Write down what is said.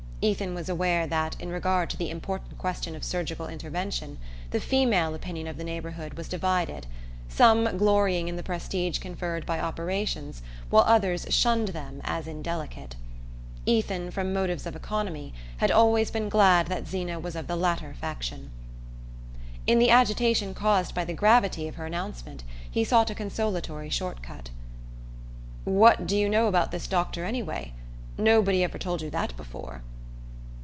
Ethan was aware that, in regard to the important question of surgical intervention, the female opinion of the neighbourhood was divided, some glorying in the prestige conferred by operations while others shunned them as indelicate. Ethan, from motives of economy, had always been glad that Zeena was of the latter faction. In the agitation caused by the gravity of her announcement he sought a consolatory short cut. "What do you know about this doctor anyway? Nobody ever told you that before."